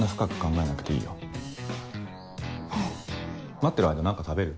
待ってる間何か食べる？